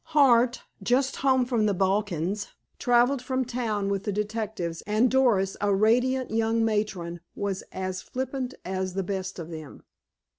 Hart, just home from the Balkans, traveled from town with the detectives, and Doris, a radiant young matron, was as flippant as the best of them.